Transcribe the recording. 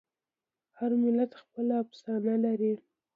هر ملت خپله افسانه لري.